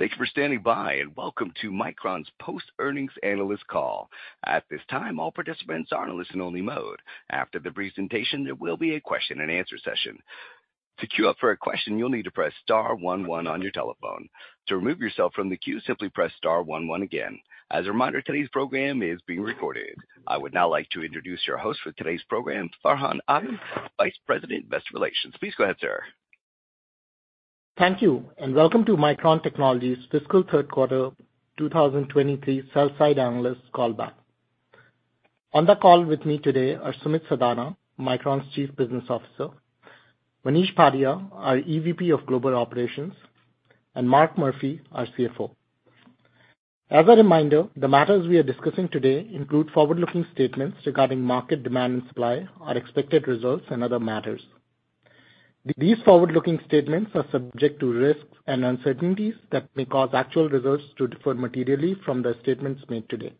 Thank you for standing by, and welcome to Micron's post-earnings analyst call. At this time, all participants are in listen-only mode. After the presentation, there will be a question and answer session. To queue up for a question, you'll need to press star one one on your telephone. To remove yourself from the queue, simply press star one one again. As a reminder, today's program is being recorded. I would now like to introduce your host for today's program, Farhan Ahmad, Vice President, Investor Relations. Please go ahead, sir. Thank you, and welcome to Micron Technology's fiscal third quarter 2023 sell-side analyst call back. On the call with me today are Sumit Sadana, Micron's Chief Business Officer; Manish Bhatia, our EVP of Global Operations; and Mark Murphy, our CFO. As a reminder, the matters we are discussing today include forward-looking statements regarding market demand and supply, our expected results, and other matters. These forward-looking statements are subject to risks and uncertainties that may cause actual results to differ materially from the statements made today.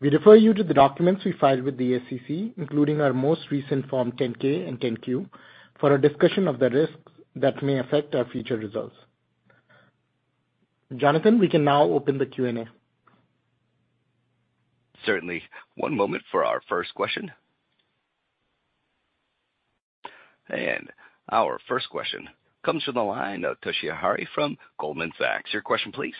We refer you to the documents we filed with the SEC, including our most recent Form 10-K and 10-Q, for a discussion of the risks that may affect our future results. Jonathan, we can now open the Q&A. Certainly. One moment for our first question. Our first question comes from the line of Toshiya Hari from Goldman Sachs. Your question, please.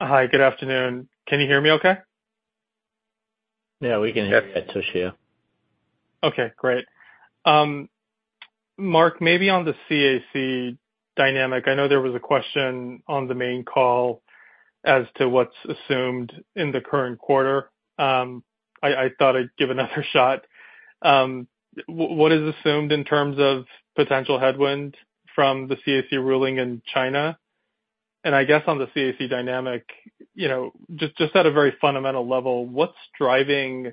Hi, good afternoon. Can you hear me okay? Yeah, we can hear you, Toshiya. Okay, great. Mark, maybe on the CAC dynamic, I know there was a question on the main call as to what's assumed in the current quarter. I thought I'd give another shot. What is assumed in terms of potential headwind from the CAC ruling in China? I guess on the CAC dynamic, you know, just at a very fundamental level, what's driving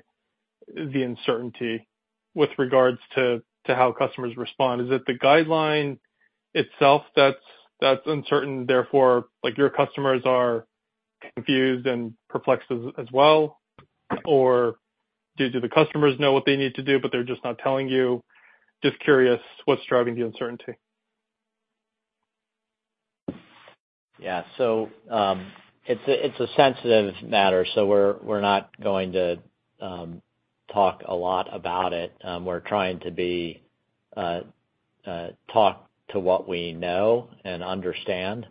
the uncertainty with regards to how customers respond? Is it the guideline itself that's uncertain, therefore, like, your customers are confused and perplexed as well? Do the customers know what they need to do, but they're just not telling you? Just curious, what's driving the uncertainty? It's a sensitive matter, so we're not going to talk a lot about it. We're trying to be talk to what we know and understand,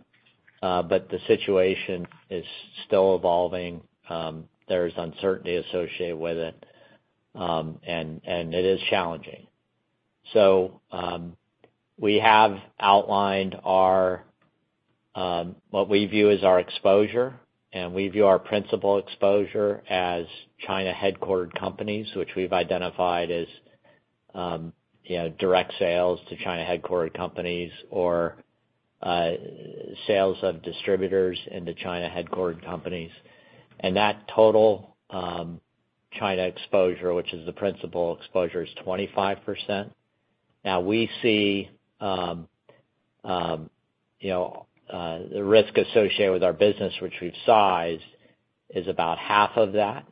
the situation is still evolving. There's uncertainty associated with it, and it is challenging. We have outlined our what we view as our exposure, and we view our principal exposure as China-headquartered companies, which we've identified as, you know, direct sales to China-headquartered companies or sales of distributors into China-headquartered companies. That total China exposure, which is the principal exposure, is 25%. We see, you know, the risk associated with our business, which we've sized, is about half of that.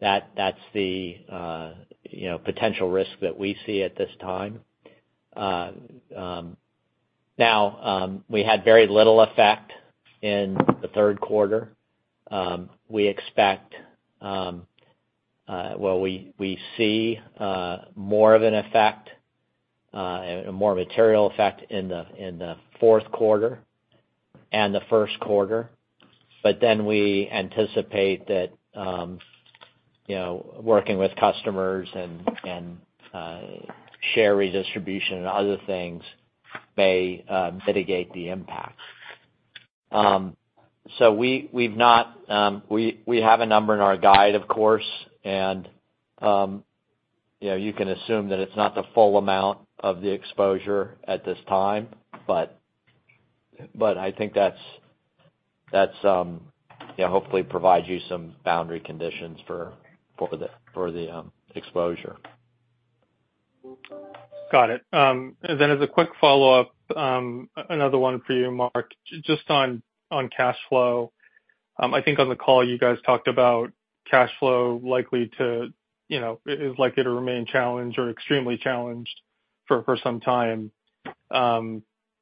That's the, you know, potential risk that we see at this time. Now, we had very little effect in the third quarter. We expect. Well, we see more of an effect, a more material effect in the fourth quarter and the first quarter. Then we anticipate that, you know, working with customers and share redistribution and other things may mitigate the impact. We've not, we have a number in our guide, of course, and, you know, you can assume that it's not the full amount of the exposure at this time. I think that's. Yeah, hopefully provides you some boundary conditions for the exposure. Got it. Then as a quick follow-up, another one for you, Mark, just on cash flow. I think on the call, you guys talked about cash flow likely to, you know, it is likely to remain challenged or extremely challenged for some time.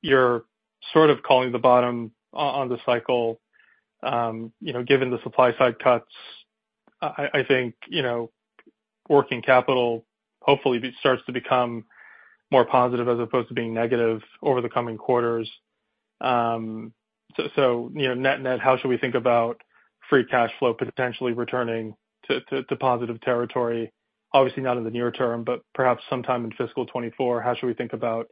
You're sort of calling the bottom on the cycle. You know, given the supply side cuts, I think, you know, working capital hopefully starts to become more positive as opposed to being negative over the coming quarters. You know, net, how should we think about free cash flow potentially returning to positive territory? Obviously, not in the near term, but perhaps sometime in fiscal 2024. How should we think about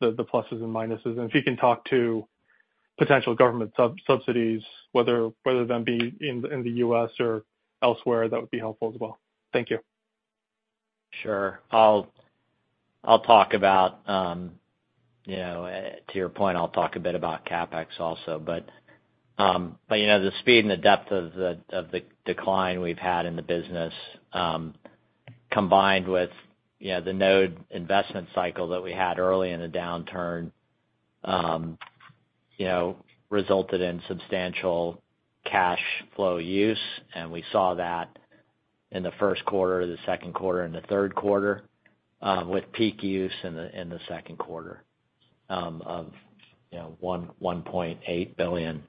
the pluses and minuses? If you can talk to potential government subsidies, whether them being in the U.S. or elsewhere, that would be helpful as well. Thank you. Sure. I'll talk about, you know, to your point, I'll talk a bit about CapEx also. But, you know, the speed and the depth of the decline we've had in the business, combined with, you know, the node investment cycle that we had early in the downturn, you know, resulted in substantial cash flow use, and we saw that in the first quarter, the second quarter, and the third quarter, with peak use in the second quarter of, you know, $1.8 billion.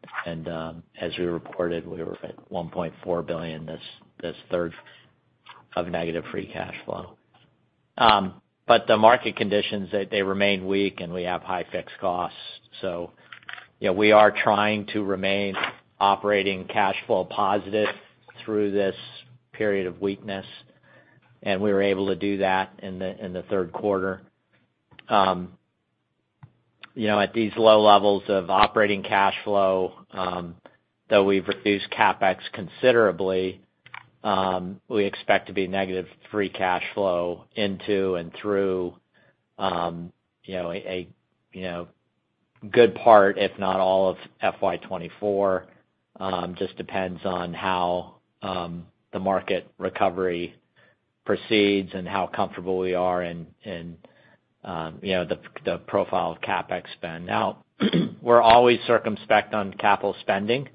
As we reported, we were at $1.4 billion this third of negative free cash flow. The market conditions, they remain weak, and we have high fixed costs. You know, we are trying to remain operating cash flow positive through this period of weakness, and we were able to do that in the third quarter. You know, at these low levels of operating cash flow, though we've reduced CapEx considerably, we expect to be negative free cash flow into and through a good part, if not all, of FY 2024. Just depends on how the market recovery proceeds and how comfortable we are in, you know, the profile of CapEx spend. We're always circumspect on capital spending,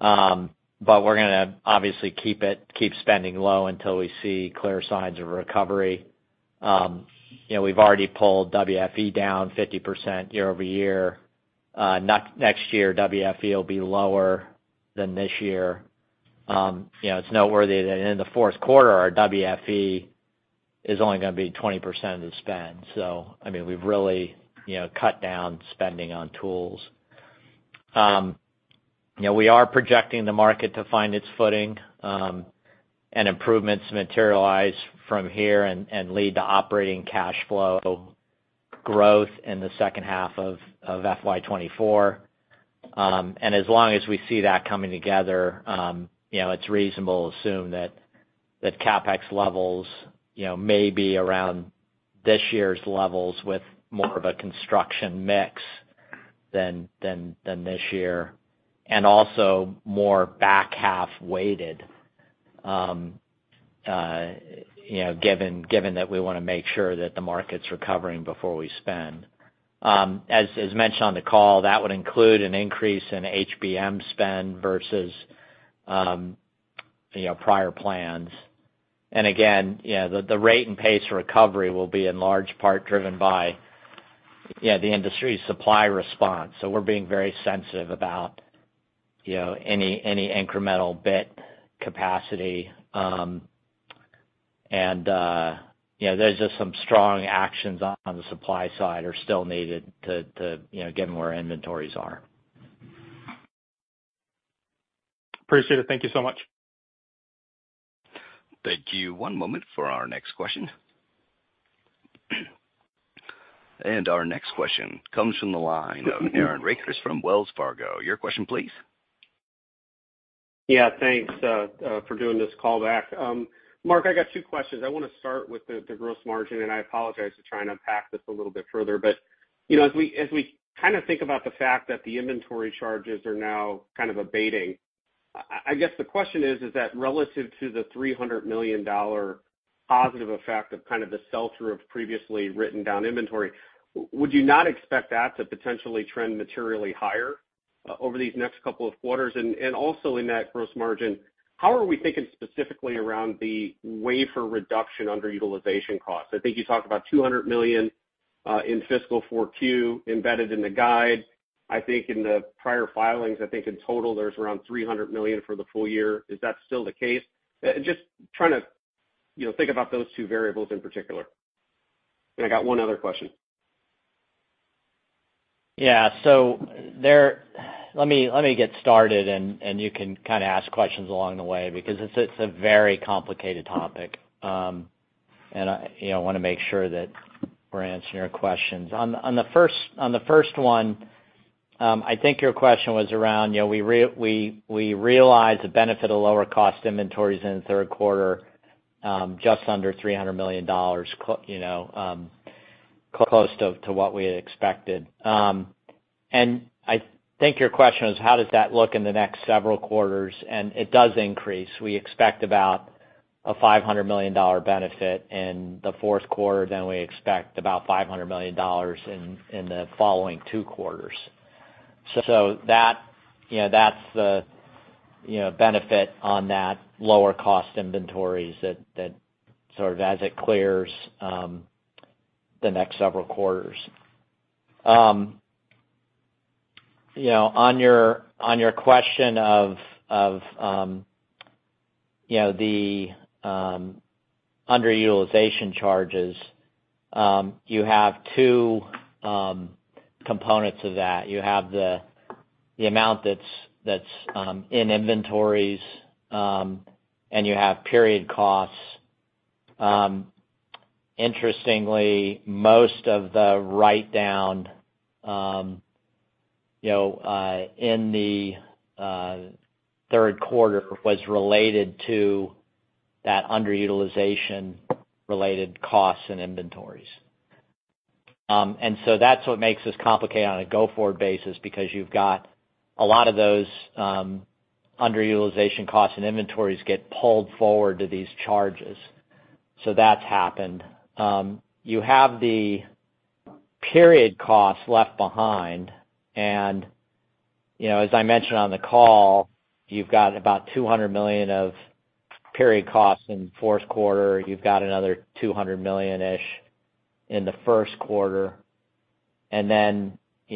we're gonna obviously keep spending low until we see clear signs of recovery. You know, we've already pulled WFE down 50% year-over-year. Next year, WFE will be lower than this year. you know, it's noteworthy that in the fourth quarter, our WFE is only gonna be 20% of spend. I mean, we've really, you know, cut down spending on tools. you know, we are projecting the market to find its footing, and improvements materialize from here and lead to operating cash flow growth in the second half of FY 2024. as long as we see that coming together, you know, it's reasonable to assume that CapEx levels, you know, may be around this year's levels with more of a construction mix than this year, and also more back half weighted, you know, given that we wanna make sure that the market's recovering before we spend. As mentioned on the call, that would include an increase in HBM spend versus, you know, prior plans. Again, you know, the rate and pace of recovery will be in large part driven by, you know, the industry's supply response. We're being very sensitive about, you know, any incremental bit capacity. You know, there's just some strong actions on the supply side are still needed to, you know, given where inventories are. Appreciate it. Thank you so much. Thank you. One moment for our next question. Our next question comes from the line of Aaron Rakers from Wells Fargo. Your question please. Yeah, thanks for doing this call back. Mark, I got 2 questions. I wanna start with the gross margin, I apologize for trying to unpack this a little bit further, you know, as we kind of think about the fact that the inventory charges are now kind of abating, I guess the question is: Is that relative to the $300 million positive effect of kind of the sell-through of previously written down inventory, would you not expect that to potentially trend materially higher over these next couple of quarters? Also in that gross margin, how are we thinking specifically around the wafer reduction underutilization costs? I think you talked about $200 million in fiscal 4Q embedded in the guide. I think in the prior filings, I think in total there's around $300 million for the full year. Is that still the case? Just trying to, you know, think about those two variables in particular. I got one other question. Yeah. Let me get started, and you can kind of ask questions along the way, because it's a very complicated topic. I, you know, wanna make sure that we're answering your questions. On the first one, I think your question was around, you know, we realized the benefit of lower cost inventories in the third quarter, just under $300 million, you know, close to what we had expected. I think your question is: How does that look in the next several quarters? It does increase. We expect about a $500 million benefit in the fourth quarter, we expect about $500 million in the following two quarters. That, you know, that's the, you know, benefit on that lower cost inventories that sort of as it clears, the next several quarters. You know, on your question of, you know, the underutilization charges, you have two components of that. You have the amount that's in inventories, and you have period costs. Interestingly, most of the write-down, you know, in the third quarter was related to that underutilization related costs and inventories. That's what makes this complicated on a go-forward basis, because you've got a lot of those, underutilization costs and inventories get pulled forward to these charges. That's happened. You have the period costs left behind, you know, as I mentioned on the call, you've got about $200 million of period costs in the fourth quarter. You've got another $200 million-ish in the first quarter, you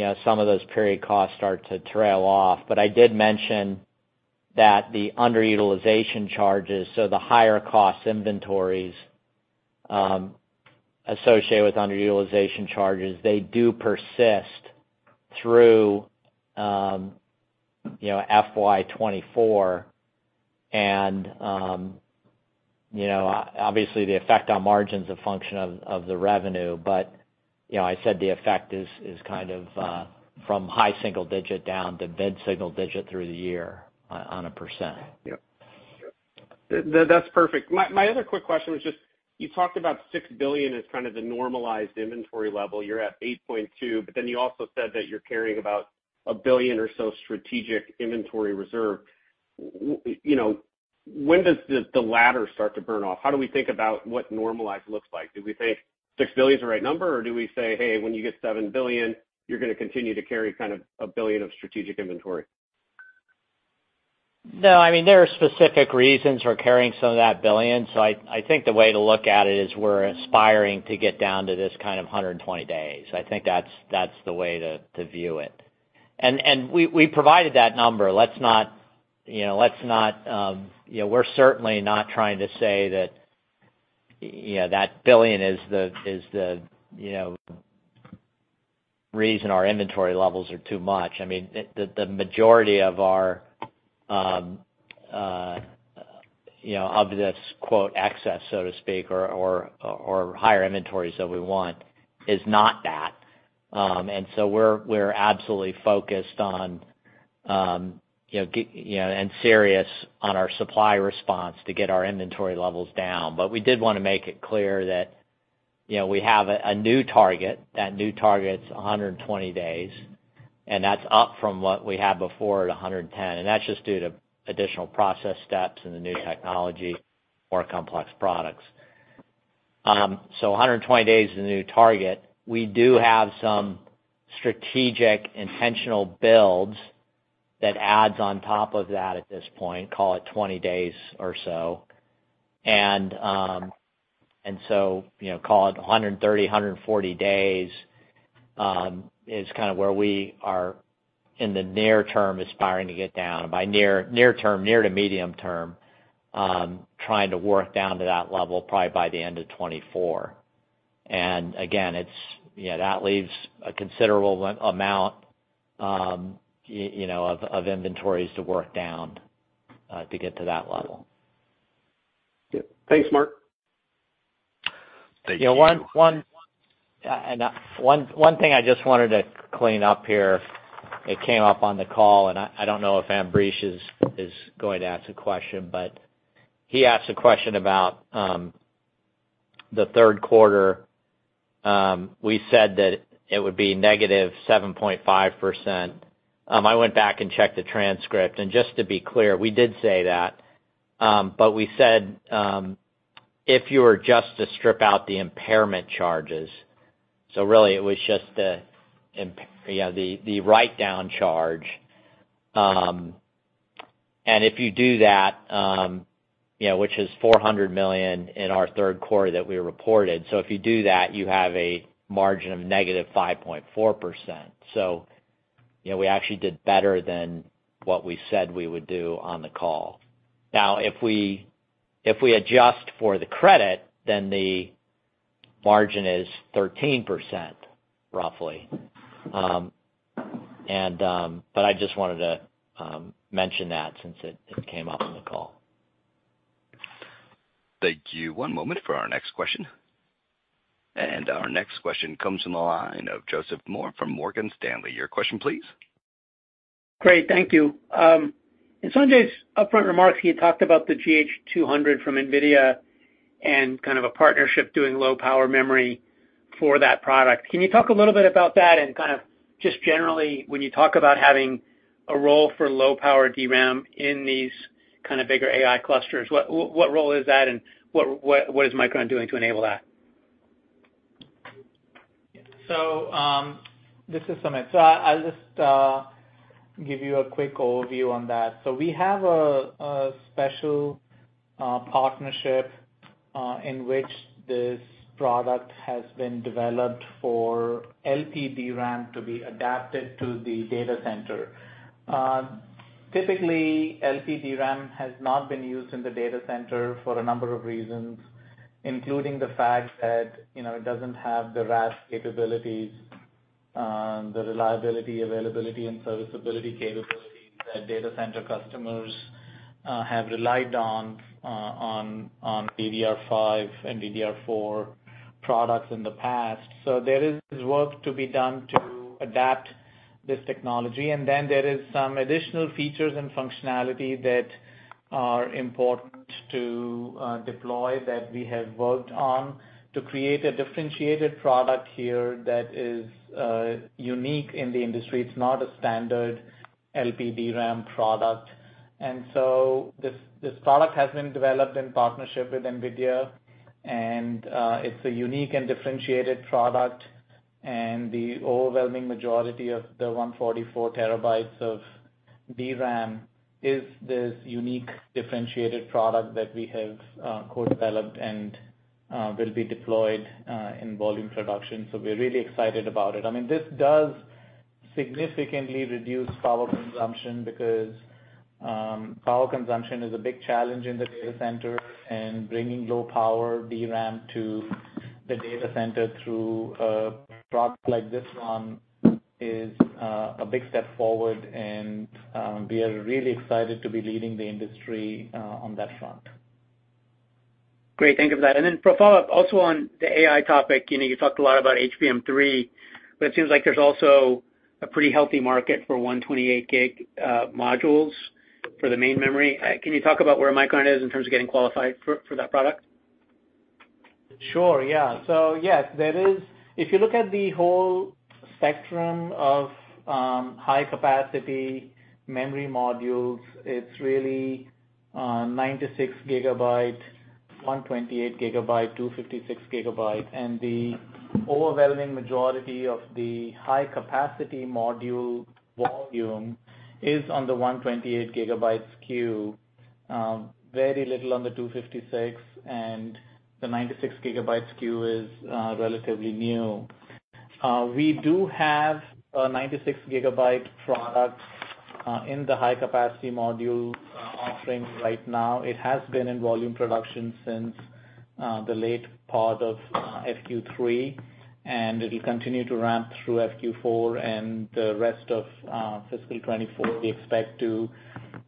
know, some of those period costs start to trail off. I did mention that the underutilization charges, so the higher cost inventories, associated with underutilization charges, they do persist through, you know, FY 2024. You know, obviously, the effect on margin's a function of the revenue. You know, I said the effect is kind of, from high single-digit down to mid single-digit through the year on a %. Yep. That's perfect. My other quick question was just, you talked about $6 billion as kind of the normalized inventory level. You're at $8.2 billion, but then you also said that you're carrying about $1 billion or so strategic inventory reserve. You know, when does the latter start to burn off? How do we think about what normalized looks like? Do we say $6 billion is the right number, or do we say, "Hey, when you get $7 billion, you're gonna continue to carry kind of a $1 billion of strategic inventory? I mean, there are specific reasons we're carrying some of that billion. I think the way to look at it is we're aspiring to get down to this kind of 120 days. I think that's the way to view it. We provided that number. Let's not, you know, let's not, you know, we're certainly not trying to say that, you know, that billion is the reason our inventory levels are too much. I mean, the majority of our, you know, of this, quote, "excess," so to speak, or higher inventories that we want, is not that. We're absolutely focused on, you know, and serious on our supply response to get our inventory levels down. We did wanna make it clear that, you know, we have a new target. That new target's 120 days, and that's up from what we had before at 110, and that's just due to additional process steps and the new technology, more complex products. So 120 days is the new target. We do have some strategic intentional builds that adds on top of that at this point, call it 20 days or so. You know, call it 130, 140 days, is kind of where we are in the near term, aspiring to get down. By near term, near to medium term, trying to work down to that level, probably by the end of 2024. Again, it's yeah, that leaves a considerable amount, you know, of inventories to work down, to get to that level. Yep. Thanks, Mark. Thank you. One thing I just wanted to clean up here, it came up on the call, and I don't know if Ambrish is going to ask a question, but he asked a question about the third quarter. We said that it would be -7.5%. I went back and checked the transcript, and just to be clear, we did say that, but we said, if you were just to strip out the impairment charges, so really, it was just you know, the write-down charge. If you do that, you know, which is $400 million in our third quarter that we reported, so if you do that, you have a margin of -5.4%. You know, we actually did better than what we said we would do on the call. If we adjust for the credit, then the margin is 13%, roughly. I just wanted to mention that since it came up on the call. Thank you. One moment for our next question. Our next question comes from the line of Joseph Moore from Morgan Stanley. Your question, please. Great, thank you. In Sanjay's upfront remarks, he had talked about the GH200 from NVIDIA and kind of a partnership doing low power memory for that product. Can you talk a little bit about that and kind of just generally, when you talk about having a role for low power DRAM in these kind of bigger AI clusters, what role is that and what is Micron doing to enable that? This is Sumit. I'll just give you a quick overview on that. We have a special partnership in which this product has been developed for LPDRAM to be adapted to the data center. Typically, LPDRAM has not been used in the data center for a number of reasons, including the fact that, you know, it doesn't have the RAS capabilities, the reliability, availability, and serviceability capabilities that data center customers have relied on DDR5 and DDR4 products in the past. There is work to be done to adapt this technology, and then there is some additional features and functionality that are important to deploy, that we have worked on to create a differentiated product here that is unique in the industry. It's not a standard LPDRAM product. This product has been developed in partnership with NVIDIA, it's a unique and differentiated product. The overwhelming majority of the 144TB of DRAM is this unique, differentiated product that we have co-developed and will be deployed in volume production. We're really excited about it. I mean, this does significantly reduce power consumption, because power consumption is a big challenge in the data center, and bringing low power DRAM to the data center through a product like this one is a big step forward, and we are really excited to be leading the industry on that front. Great, thank you for that. For a follow-up, also on the AI topic, you know, you talked a lot about HBM3, but it seems like there's also a pretty healthy market for 128 gig modules for the main memory. Can you talk about where Micron is in terms of getting qualified for that product? Sure, yeah. Yes, if you look at the whole spectrum of high-capacity memory modules, it's really 96GB, 128GB, 256GB. The overwhelming majority of the high-capacity module volume is on the 128GB SKU, very little on the 256, and the 96GB SKU is relatively new. We do have a 96GB product in the high-capacity module offering right now. It has been in volume production since the late part of FQ3, and it'll continue to ramp through FQ4 and the rest of fiscal 2024. We expect to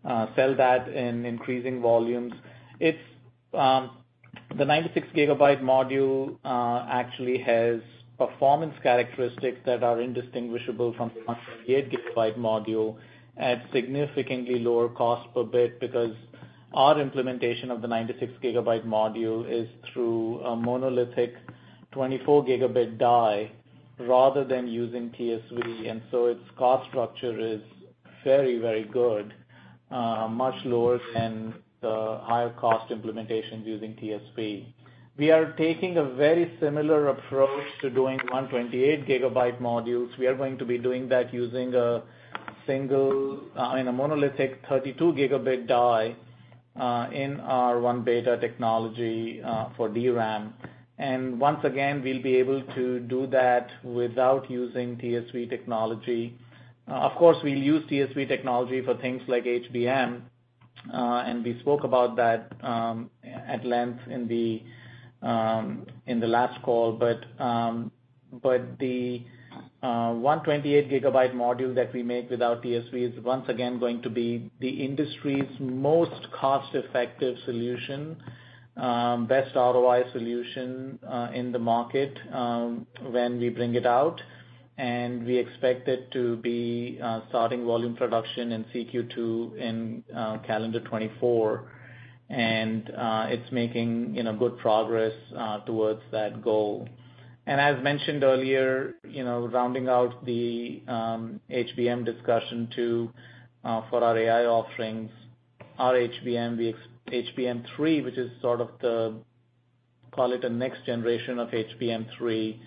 sell that in increasing volumes. It's, the 96 GB module actually has performance characteristics that are indistinguishable from the 128 GB module at significantly lower cost per bit, because our implementation of the 96 GB module is through a monolithic 24 Gb die rather than using TSV, and so its cost structure is very, very good, much lower than the higher cost implementations using TSV. We are taking a very similar approach to doing 128 GB modules. We are going to be doing that using a single, in a monolithic 32 Gb die, in our 1-beta technology, for DRAM. Once again, we'll be able to do that without using TSV technology. Of course, we use TSV technology for things like HBM, and we spoke about that at length in the last call. The 128GB module that we make with our TSV is once again going to be the industry's most cost-effective solution, best ROI solution in the market when we bring it out, and we expect it to be starting volume production in CQ2 in calendar 2024. It's making, you know, good progress towards that goal. As mentioned earlier, you know, rounding out the HBM discussion to for our AI offerings, our HBM, the HBM3, which is sort of the, call it, a next generation of HBM3,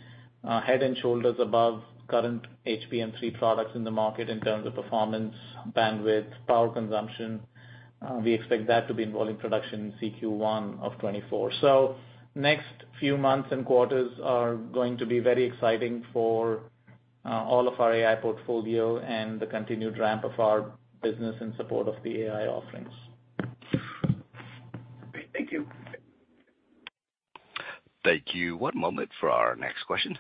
head and shoulders above current HBM3 products in the market in terms of performance, bandwidth, power consumption. We expect that to be in volume production in CQ1 of 2024. Next few months and quarters are going to be very exciting for, all of our AI portfolio and the continued ramp of our business in support of the AI offerings. Great. Thank you. Thank you. One moment for our next question.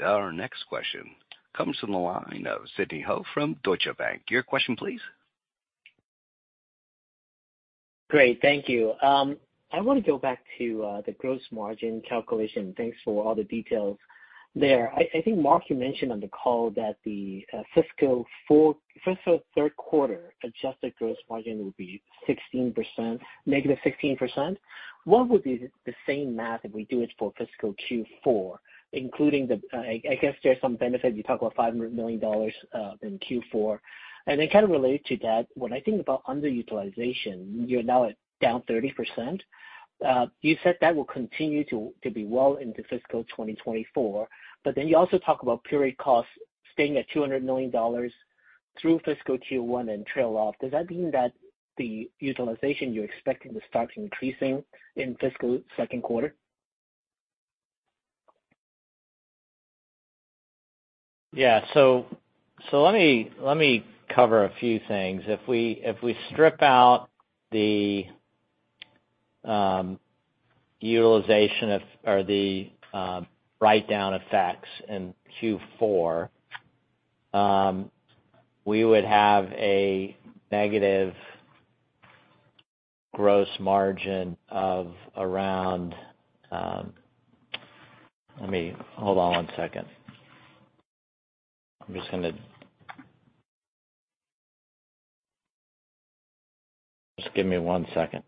Our next question comes from the line of Sidney Ho from Deutsche Bank. Your question, please? Great, thank you. I want to go back to the gross margin calculation. Thanks for all the details there. I think, Mark, you mentioned on the call that the fiscal third quarter adjusted gross margin would be 16%, -16%. What would be the same math if we do it for fiscal Q4, including I guess there's some benefit, you talk about $500 million in Q4? Kind of related to that, when I think about underutilization, you're now at, down 30%. You said that will continue to be well into fiscal 2024. You also talk about period costs staying at $200 million through fiscal Q1 and trail off. Does that mean that the utilization you're expecting to start increasing in fiscal second quarter? Yeah. Let me cover a few things. If we strip out the utilization of, or the write-down effects in Q4, we would have a negative gross margin of around... Hold on one second. Just give me one second. ...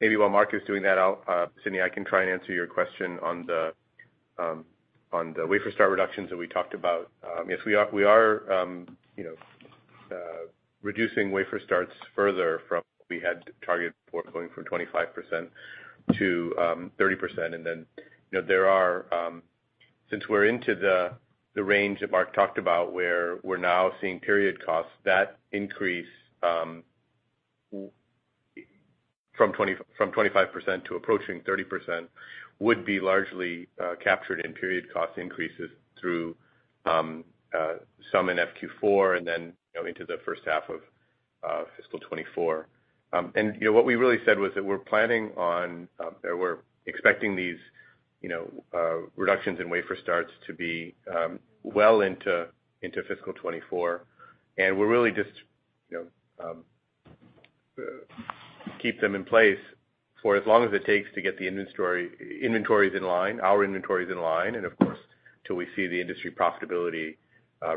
Maybe while Mark is doing that, I'll, Sidney, I can try and answer your question on the wafer start reductions that we talked about. Yes, we are, you know, reducing wafer starts further from we had targeted before going from 25%-30%. You know, there are, since we're into the range that Mark talked about, where we're now seeing period costs, that increase, from 25% to approaching 30% would be largely captured in period cost increases through some in FQ4 and then, you know, into the first half of fiscal 2024. You know, what we really said was that we're planning on, or we're expecting these, you know, reductions in wafer starts to be well into fiscal 2024. We're really just, you know, keep them in place for as long as it takes to get the inventories in line, our inventories in line, and of course, till we see the industry profitability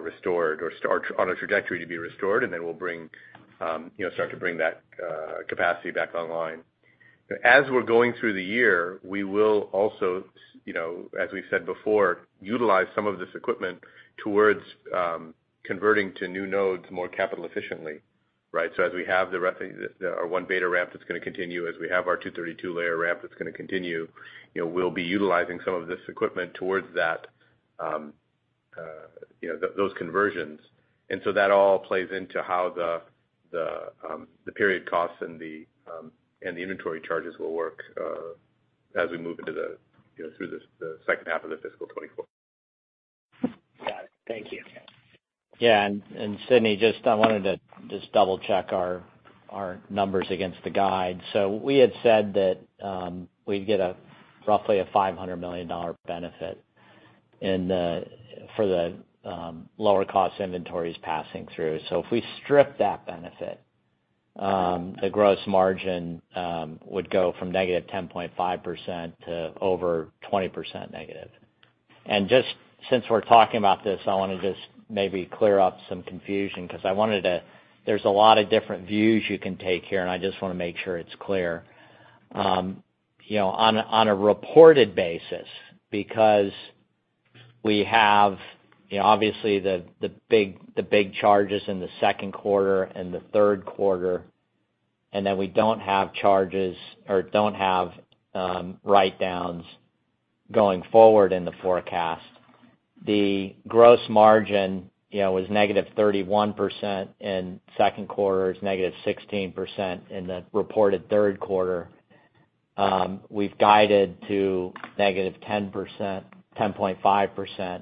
restored or on a trajectory to be restored. Then we'll bring, you know, start to bring that capacity back online. As we're going through the year, we will also, you know, as we've said before, utilize some of this equipment towards converting to new nodes more capital efficiently, right? As we have the rest, our 1-beta ramp, that's gonna continue as we have our 232-layer ramp, that's gonna continue. You know, we'll be utilizing some of this equipment towards that, you know, those conversions. That all plays into how the period costs and the inventory charges will work as we move into the, you know, through the second half of the fiscal 2024. Got it. Thank you. Sidney, just I wanted to just double check our numbers against the guide. We had said that, we'd get a roughly a $500 million benefit for the lower cost inventories passing through. If we strip that benefit, the gross margin would go from -10.5% to over 20% negative. Just since we're talking about this, I want to just maybe clear up some confusion, because there's a lot of different views you can take here, and I just want to make sure it's clear. You know, on a reported basis, because we have, you know, obviously, the big charges in the second quarter and the third quarter, and then we don't have charges or don't have write-downs going forward in the forecast. The gross margin, you know, was -31% in second quarter, it's -16% in the reported third quarter. We've guided to -10%, -10.5%,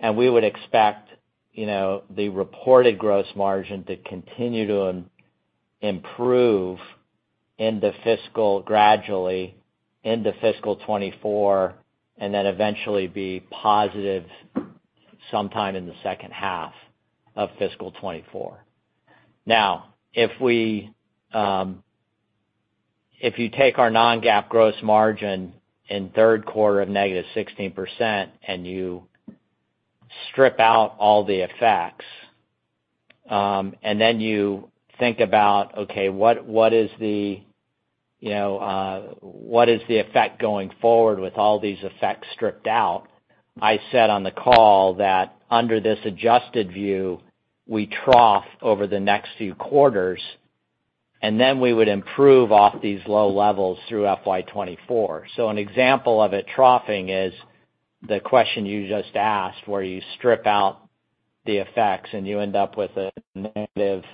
and we would expect, you know, the reported gross margin to continue to improve into fiscal, gradually, into fiscal 2024, and then eventually be positive sometime in the second half of fiscal 2024. If we, if you take our non-GAAP gross margin in third quarter of -16%, and you strip out all the effects, and then you think about, okay, what is the, you know, what is the effect going forward with all these effects stripped out? I said on the call that under this adjusted view, we trough over the next few quarters, and then we would improve off these low levels through FY 2024. An example of it troughing is the question you just asked, where you strip out the effects and you end up with a negative,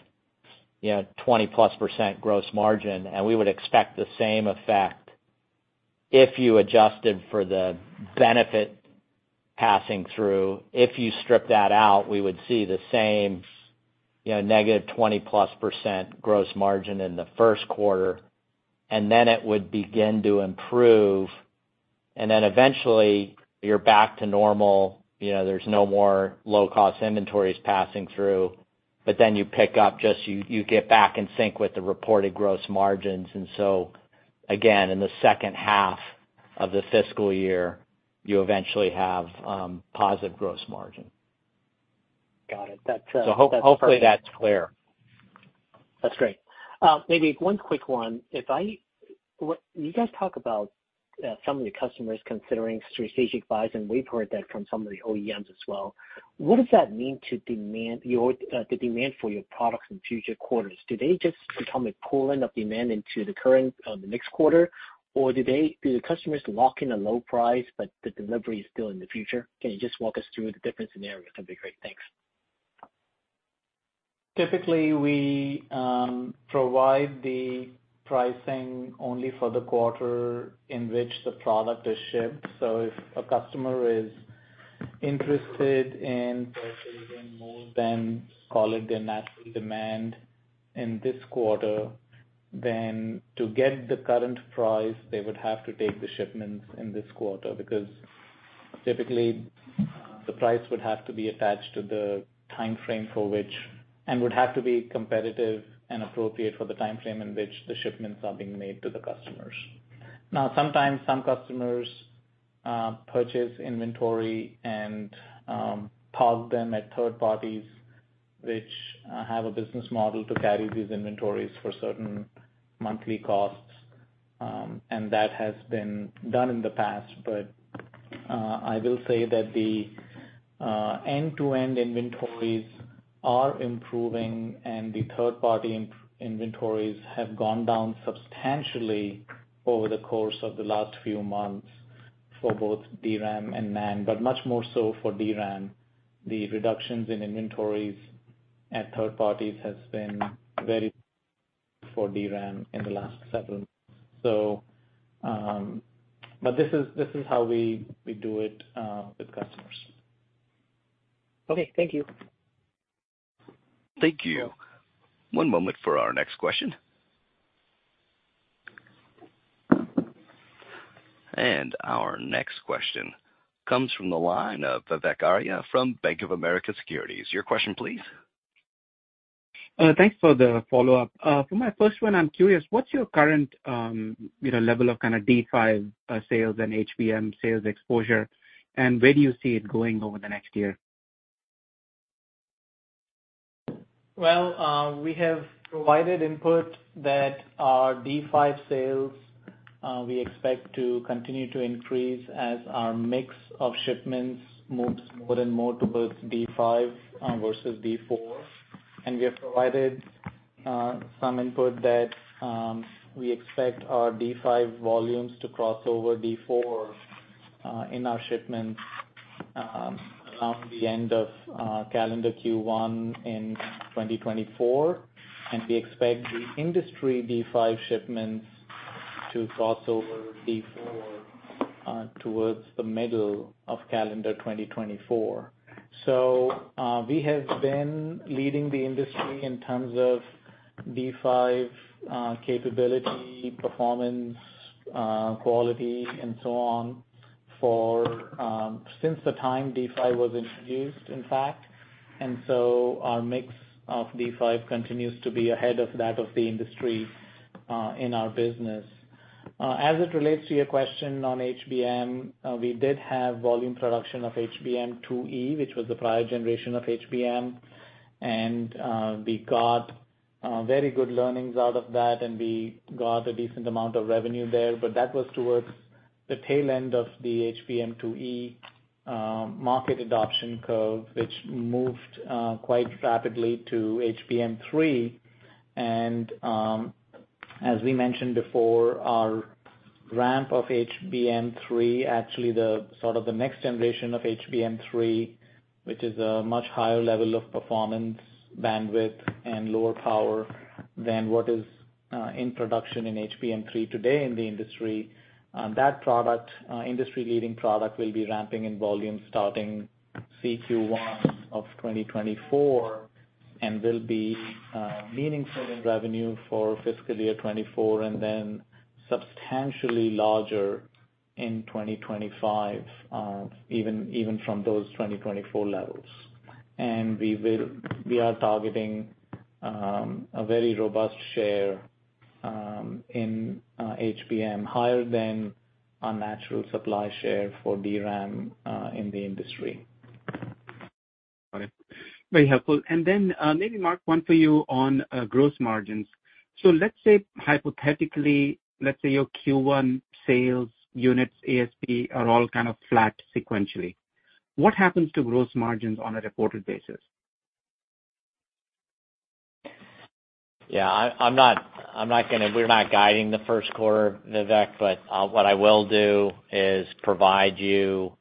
you know, 20+% gross margin, and we would expect the same effect if you adjusted for the benefit passing through. If you strip that out, we would see the same, you know,-20+% gross margin in the first quarter. It would begin to improve, and then eventually, you're back to normal. You know, there's no more low-cost inventories passing through. You pick up, you get back in sync with the reported gross margins. Again, in the second half of the fiscal year, you eventually have positive gross margin. Got it. That's. hopefully, that's clear. That's great. Maybe one quick one. If I, you guys talk about some of the customers considering strategic buys, and we've heard that from some of the OEMs as well. What does that mean to demand your the demand for your products in future quarters? Do they just become a pooling of demand into the current the next quarter? Or do the customers lock in a low price, but the delivery is still in the future? Can you just walk us through the different scenarios? That'd be great. Thanks. Typically, we provide the pricing only for the quarter in which the product is shipped. If a customer is interested in purchasing more than, call it, their natural demand in this quarter, then to get the current price, they would have to take the shipments in this quarter. Typically, the price would have to be attached to the timeframe for which. and would have to be competitive and appropriate for the time frame in which the shipments are being made to the customers. Sometimes some customers purchase inventory and park them at third parties, which have a business model to carry these inventories for certain monthly costs, and that has been done in the past. I will say that the end-to-end inventories are improving and the third-party inventories have gone down substantially over the course of the last few months for both DRAM and NAND, but much more so for DRAM. The reductions in inventories at third parties has been very for DRAM in the last several months. This is, this is how we do it with customers. Okay, thank you. Thank you. One moment for our next question. Our next question comes from the line of Vivek Arya from Bank of America Securities. Your question, please. Thanks for the follow-up. For my first one, I'm curious, what's your current, you know, level of kind of D5, sales and HBM sales exposure, and where do you see it going over the next year? We have provided input that our D5 sales, we expect to continue to increase as our mix of shipments moves more and more towards D5 versus D4. We have provided some input that we expect our D5 volumes to cross over D4 in our shipments around the end of calendar Q1 in 2024. We expect the industry D5 shipments to cross over D4 towards the middle of calendar 2024. We have been leading the industry in terms of D5 capability, performance, quality, and so on, for since the time D5 was introduced, in fact. Our mix of D5 continues to be ahead of that of the industry in our business. As it relates to your question on HBM, we did have volume production of HBM2E, which was the prior generation of HBM, and we got very good learnings out of that, and we got a decent amount of revenue there. That was towards the tail end of the HBM2E market adoption curve, which moved quite rapidly to HBM3. As we mentioned before, our ramp of HBM3, actually the sort of the next generation of HBM3, which is a much higher level of performance, bandwidth, and lower power than what is in production in HBM3 today in the industry. That product, industry-leading product, will be ramping in volume starting CQ1 of 2024, and will be meaningful in revenue for fiscal year 2024, and then substantially larger in 2025, even from those 2024 levels. We are targeting a very robust share in HBM, higher than our natural supply share for DRAM in the industry. Got it. Very helpful. Then, maybe, Mark, one for you on gross margins. Let's say, hypothetically, let's say your Q1 sales units, ASP, are all kind of flat sequentially. What happens to gross margins on a reported basis? Yeah, we're not guiding the first quarter, Vivek. What I will do is provide you,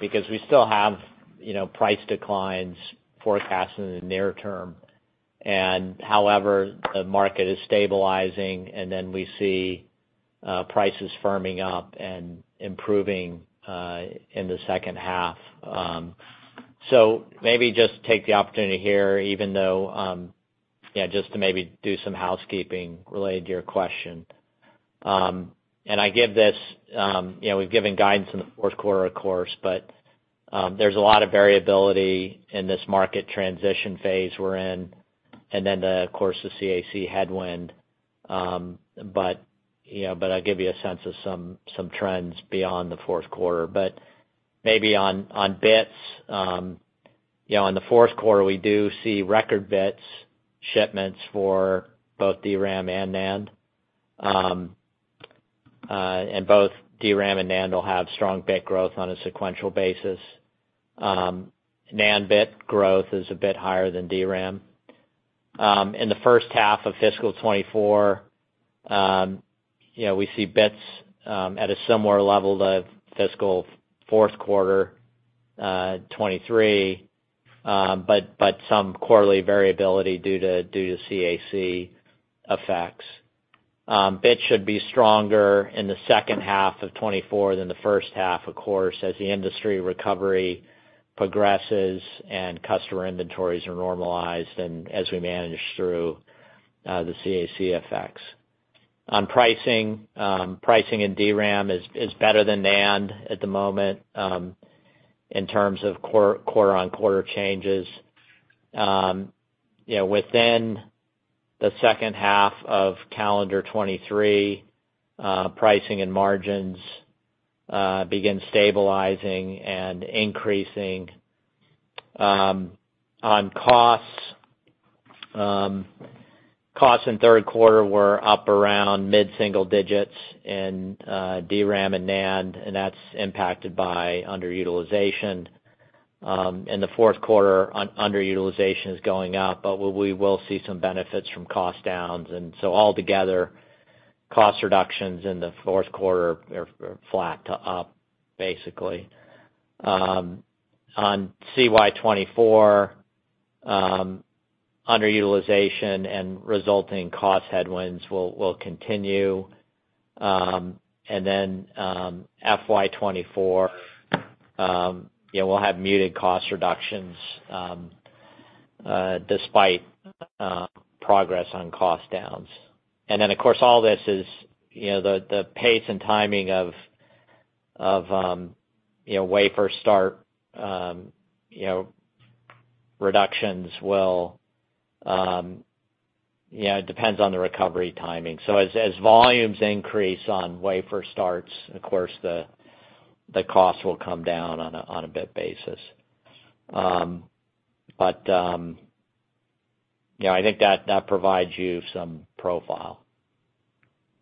because we still have, you know, price declines forecasted in the near term. However, the market is stabilizing, we see prices firming up and improving in the second half. Maybe just take the opportunity here, even though, yeah, just to maybe do some housekeeping related to your question. I give this, you know, we've given guidance in the fourth quarter, of course. There's a lot of variability in this market transition phase we're in, of course, the CAC headwind. You know, I'll give you a sense of some trends beyond the fourth quarter. Maybe on bits, you know, in the fourth quarter, we do see record bits shipments for both DRAM and NAND. Both DRAM and NAND will have strong bit growth on a sequential basis. NAND bit growth is a bit higher than DRAM. In the first half of fiscal 2024, you know, we see bits at a similar level to fiscal fourth quarter 2023, but some quarterly variability due to CAC effects. Bits should be stronger in the second half of 2024 than the first half, of course, as the industry recovery progresses and customer inventories are normalized and as we manage through the CAC effects. On pricing in DRAM is better than NAND at the moment, in terms of quarter-on-quarter changes. you know, within the second half of calendar 2023, pricing and margins begin stabilizing and increasing. On costs in third quarter were up around mid-single digits in DRAM and NAND, that's impacted by underutilization. In the fourth quarter, underutilization is going up, we will see some benefits from cost downs. Altogether, cost reductions in the fourth quarter are flat to up, basically. On CY 2024, underutilization and resulting cost headwinds will continue. FY 2024, we'll have muted cost reductions despite progress on cost downs. Of course, all this is, you know, the pace and timing of, you know, wafer start, you know, reductions will depend on the recovery timing. As volumes increase on wafer starts, of course, the costs will come down on a bit basis. You know, I think that provides you some profile.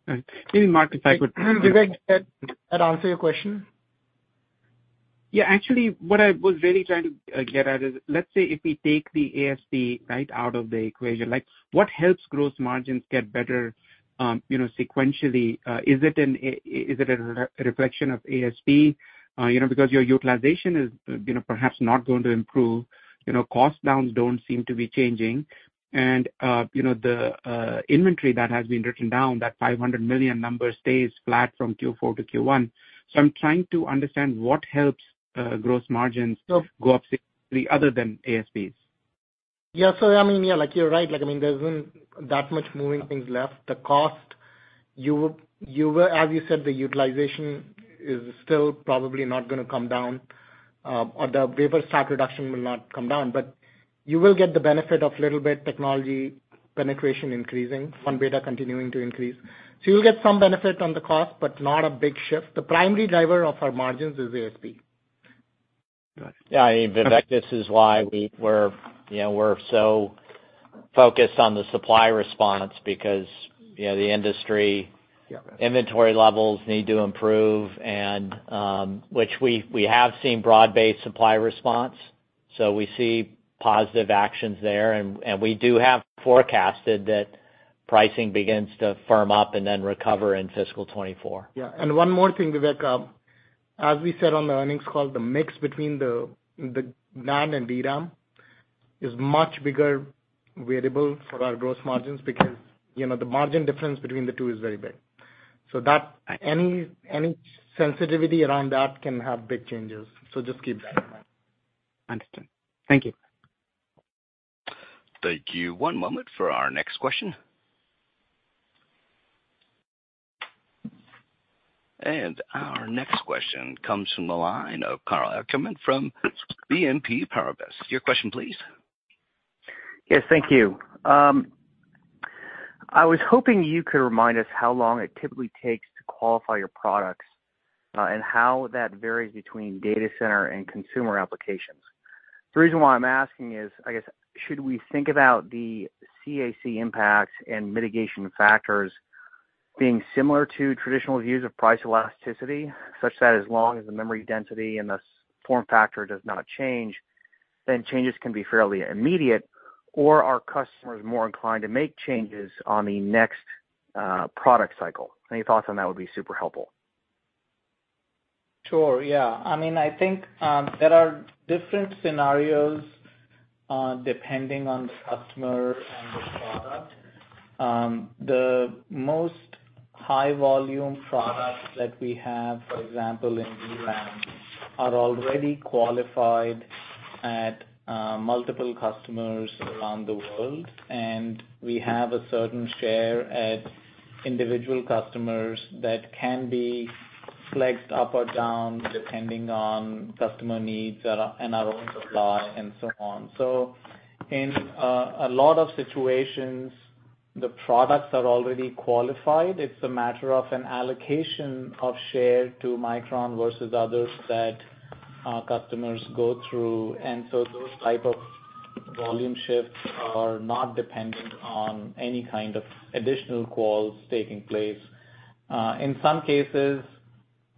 All right. Maybe, Mark, if I could. Vivek, did that answer your question? Yeah, actually, what I was really trying to get at is, let's say if we take the ASP right out of the equation, like, what helps gross margins get better, you know, sequentially? Is it a re-reflection of ASP? You know, because your utilization is, you know, perhaps not going to improve. You know, cost downs don't seem to be changing. You know, the inventory that has been written down, that $500 million number, stays flat from Q4 to Q1. I'm trying to understand what helps gross margins go up sequentially, other than ASPs. I mean, yeah, like, you're right. I mean, there isn't that much moving things left. The cost, you will as you said, the utilization is still probably not gonna come down, or the wafer start reduction will not come down. You will get the benefit of little bit technology penetration increasing, wafer output continuing to increase. You'll get some benefit on the cost, but not a big shift. The primary driver of our margins is ASP. I mean, Vivek, this is why we're, you know, we're so focused on the supply response, because, you know, the industry. Yeah. inventory levels need to improve, and which we have seen broad-based supply response. We see positive actions there, and we do have forecasted that pricing begins to firm up and then recover in fiscal 2024. Yeah, one more thing, Vivek. As we said on the earnings call, the mix between the NAND and DRAM is much bigger variable for our gross margins because, you know, the margin difference between the two is very big. That, any sensitivity around that can have big changes. Just keep that in mind. Understood. Thank you. Thank you. One moment for our next question. Our next question comes from the line of Karl Ackerman from BNP Paribas. Your question, please. Yes, thank you. I was hoping you could remind us how long it typically takes to qualify your products, and how that varies between data center and consumer applications. The reason why I'm asking is, I guess, should we think about the CAC impacts and mitigation factors being similar to traditional views of price elasticity, such that as long as the memory density and the form factor does not change, then changes can be fairly immediate, or are customers more inclined to make changes on the next, product cycle? Any thoughts on that would be super helpful. Sure. Yeah. I mean, I think, there are different scenarios, depending on the customer and the product. The most high-volume products that we have, for example, in DRAM, are already qualified at multiple customers around the world, and we have a certain share at individual customers that can be flexed up or down, depending on customer needs, and our own supply and so on. In a lot of situations, the products are already qualified. It's a matter of an allocation of share to Micron versus others that customers go through. Those type of volume shifts are not dependent on any kind of additional quals taking place. In some cases,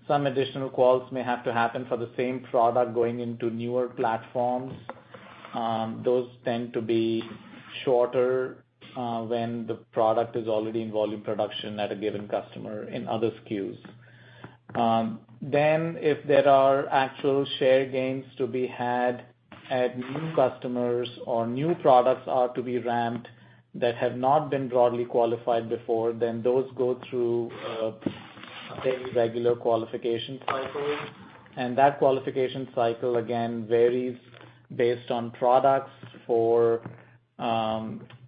some additional quals may have to happen for the same product going into newer platforms. Those tend to be shorter when the product is already in volume production at a given customer in other SKUs. If there are actual share gains to be had at new customers or new products are to be ramped that have not been broadly qualified before, those go through a fairly regular qualification cycle, and that qualification cycle, again, varies based on products for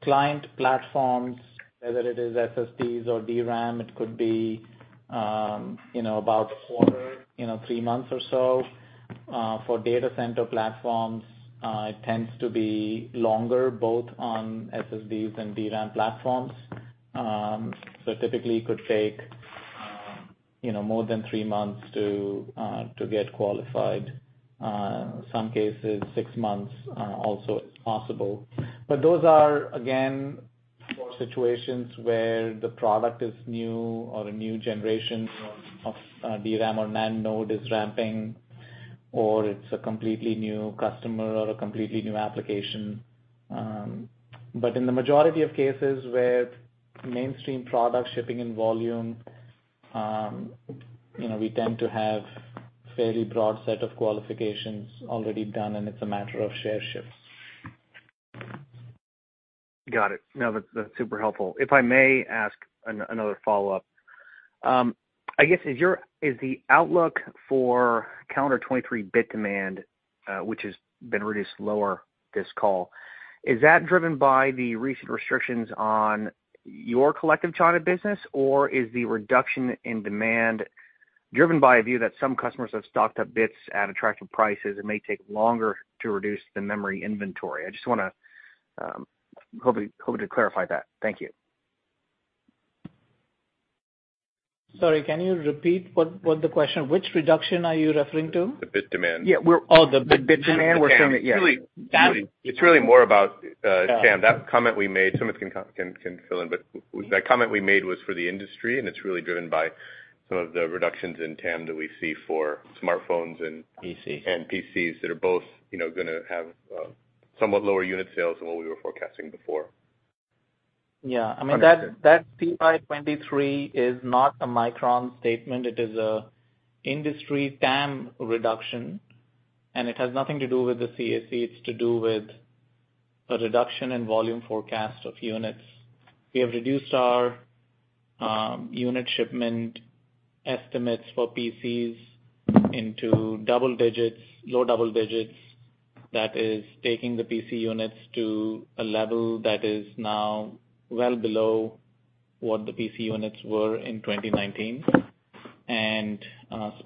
client platforms, whether it is SSDs or DRAM, it could be about a quarter, 3 months or so. For data center platforms, it tends to be longer, both on SSDs and DRAM platforms. Typically it could take more than 3 months to get qualified. In some cases, 6 months also is possible. Those are, again, for situations where the product is new or a new generation of DRAM or NAND node is ramping, or it's a completely new customer or a completely new application. In the majority of cases where mainstream product shipping in volume, you know, we tend to have fairly broad set of qualifications already done, and it's a matter of share shifts. Got it. No, that's super helpful. If I may ask another follow-up. I guess, is the outlook for calendar 2023 bit demand, which has been reduced lower this call, is that driven by the recent restrictions on your collective China business? Or is the reduction in demand driven by a view that some customers have stocked up bits at attractive prices and may take longer to reduce the memory inventory? I just wanna, hoping to clarify that. Thank you. Sorry, can you repeat what the question, which reduction are you referring to? The bit demand. Yeah, Oh, the bit demand. We're saying that, yeah. It's really more about, Karl, that comment we made, someone can fill in, but that comment we made was for the industry, and it's really driven by some of the reductions in TAM that we see for smartphones and- PCs PCs, that are both, you know, gonna have, somewhat lower unit sales than what we were forecasting before. Yeah. I mean, that CY 2023 is not a Micron statement. It is a industry TAM reduction. It has nothing to do with the CAC. It's to do with a reduction in volume forecast of units. We have reduced our unit shipment estimates for PCs into double digits, low double digits. That is taking the PC units to a level that is now well below what the PC units were in 2019.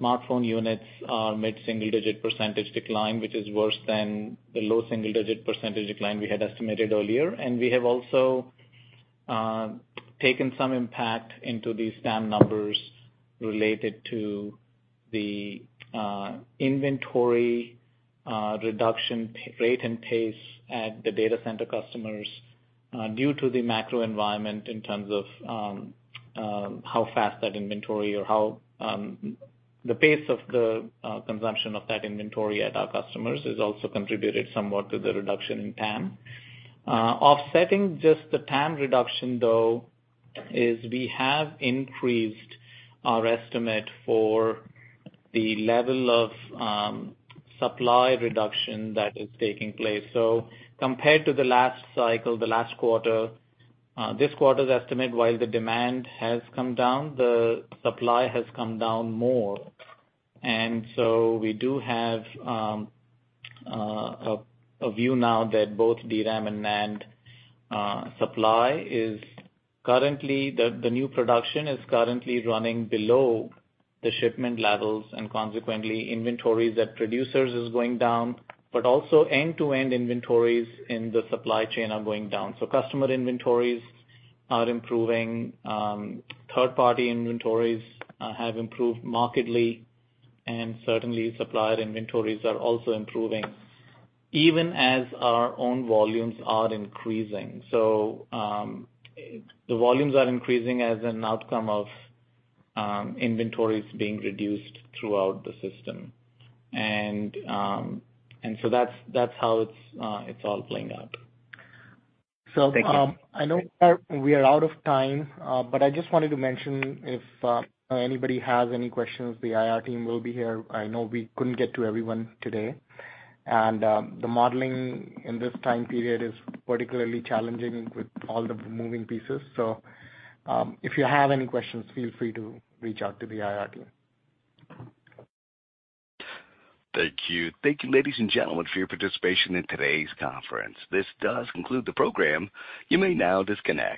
Smartphone units are mid-single digit % decline, which is worse than the low single digit % decline we had estimated earlier. We have also taken some impact into these TAM numbers related to the inventory reduction rate and pace at the data center customers due to the macro environment in terms of how fast that inventory or how the pace of the consumption of that inventory at our customers has also contributed somewhat to the reduction in TAM. Offsetting just the TAM reduction, though, is we have increased our estimate for the level of supply reduction that is taking place. Compared to the last cycle, the last quarter, this quarter's estimate, while the demand has come down, the supply has come down more. We do have a view now that both DRAM and NAND supply is currently... The new production is currently running below the shipment levels. Consequently, inventories at producers is going down, but also end-to-end inventories in the supply chain are going down. Customer inventories are improving, third-party inventories have improved markedly. Certainly supplier inventories are also improving, even as our own volumes are increasing. The volumes are increasing as an outcome of inventories being reduced throughout the system. That's how it's all playing out. Thank you. I know we are out of time, but I just wanted to mention, if anybody has any questions, the IR team will be here. I know we couldn't get to everyone today. The modeling in this time period is particularly challenging with all the moving pieces. If you have any questions, feel free to reach out to the IR team. Thank you. Thank you, ladies and gentlemen, for your participation in today's conference. This does conclude the program. You may now disconnect.